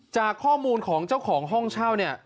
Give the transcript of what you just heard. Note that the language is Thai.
จากข้อมูลของเจ้าของห้องเช่าเนี่ย